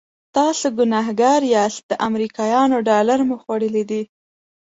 تاسې ګنهګار یاست د امریکایانو ډالر مو خوړلي دي.